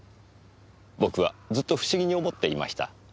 僕はずっと不思議に思っていました。